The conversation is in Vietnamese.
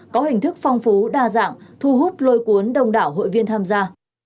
có hình thức phong phú đa dạng thu hút lôi cuốn đông đảo hội viên tham gia